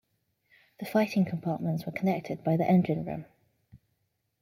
The fighting compartments were connected by the engine room.